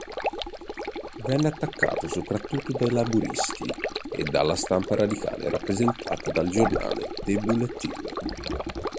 Venne attaccato soprattutto dai laburisti e dalla stampa radicale rappresentata dal giornale The Bulletin.